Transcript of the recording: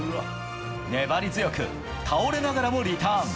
粘り強く倒れながらもリターン。